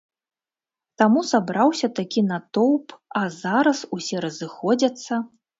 Таму сабраўся такі натоўп, а зараз усе разыходзяцца.